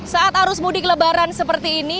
saat arus mudik lebaran seperti ini